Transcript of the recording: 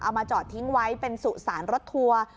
เอามาจอดทิ้งไว้เป็นสุสานรถทัวร์